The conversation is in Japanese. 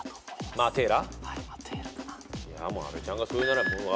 マテーラ！